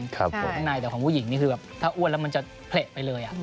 ข้างในแต่ของผู้หญิงนี่คือแบบถ้าอ้วนแล้วมันจะเผละไปเลย